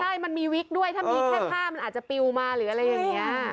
ใช่มันมีวิกด้วยถ้ามีแค่ผ้ามันอาจจะปิวมาหรืออะไรอย่างนี้